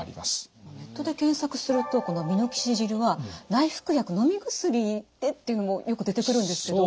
ネットで検索するとこのミノキシジルは内服薬のみ薬でっていうのもよく出てくるんですけど。